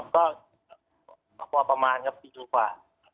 ครับก็ประมาณครับปีกว่า